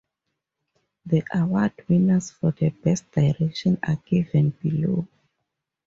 The award winners for Best Direction are given below.